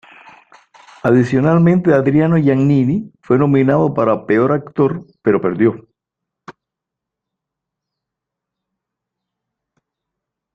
Adicionalmente Adriano Giannini fue nominado para "Peor actor" pero perdió.